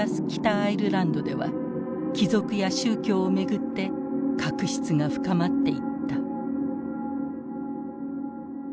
アイルランドでは帰属や宗教を巡って確執が深まっていった。